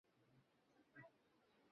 সকালে সব ঠিক হয়ে যাবে।